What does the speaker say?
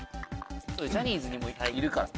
ジャニーズにもいるから。